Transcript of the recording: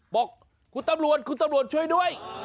บอกคุณตำรวจคุณตำรวจช่วยด้วย